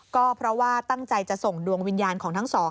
ก็เพราะว่าตั้งใจจะส่งดวงวิญญาณของทั้งสอง